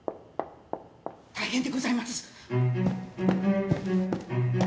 大変でございます。